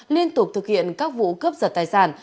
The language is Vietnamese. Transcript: liên tục thực hiện các vụ cướp giật tài sản